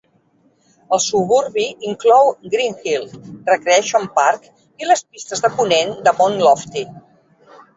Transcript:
El suburbi inclou Greenhill Recreation Park i les pistes de ponent de Mount Lofty.